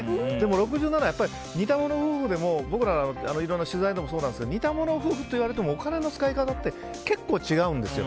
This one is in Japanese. ６７はやっぱり似たもの夫婦でも僕らいろいろな取材とかそうですけど似たもの夫婦といわれてもお金の使い方って結構、違うんですよ。